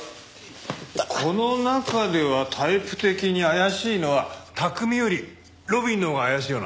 この中ではタイプ的に怪しいのは拓海より路敏のほうが怪しいよな。